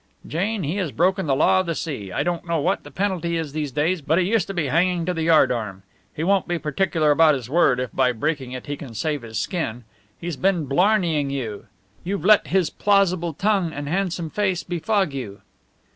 "Jane, he has broken the law of the sea. I don't know what the penalty is these days, but it used to be hanging to the yard arm. He won't be particular about his word if by breaking it he can save his skin. He's been blarneying you. You've let his plausible tongue and handsome face befog you."